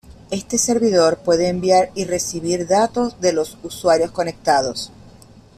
Este servidor puede enviar y recibir datos de los usuarios conectados.